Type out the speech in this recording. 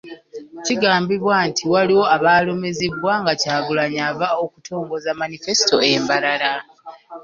Kigambibwa nti waliwo abaalumizibwa nga Kyagulanyi ava okutongoza Manifesito e Mbarara.